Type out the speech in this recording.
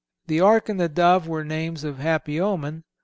The Ark and the Dove were names of happy omen.